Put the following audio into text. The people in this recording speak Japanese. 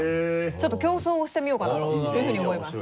ちょっと競争をしてみようかなというふうに思います。